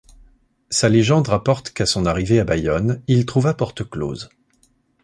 Sa légende rapporte qu'à son arrivée à Bayonne, il trouva porte close.